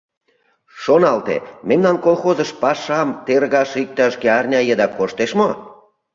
Шоналте, мемнан колхозыш пашам тергаш иктаж-кӧ арня еда коштеш мо?